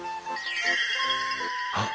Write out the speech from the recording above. あっ！